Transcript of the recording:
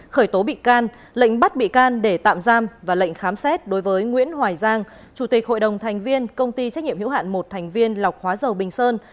khởi tố bị can lệnh bắt bị can để tạm giam và lệnh khám xét đối với nguyễn hoài giang chủ tịch hội đồng thành viên công ty trách nhiệm hữu hạn một thành viên lọc hóa dầu bình sơn